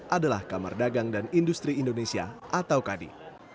adalah kamar dagang dan industri indonesia atau kadi